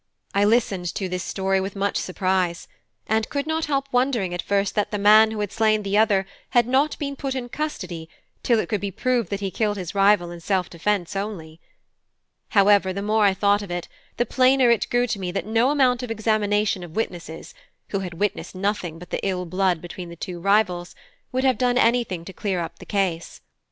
I listened to this story with much surprise, and could not help wondering at first that the man who had slain the other had not been put in custody till it could be proved that he killed his rival in self defence only. However, the more I thought of it, the plainer it grew to me that no amount of examination of witnesses, who had witnessed nothing but the ill blood between the two rivals, would have done anything to clear up the case.